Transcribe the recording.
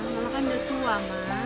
ma mama kan udah tua ma